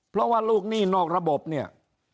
เพราะว่าลูกหนี้นอกระบบเนี่ย